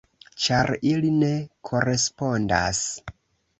Ĉar ili ne korespondas.